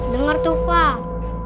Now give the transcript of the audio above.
dengar tuh fah